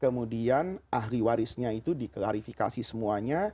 kemudian ahli warisnya itu diklarifikasi semuanya